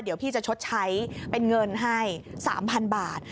เดี๋ยวพี่จะชดใช้เป็นเงินให้๓๐๐๐บาท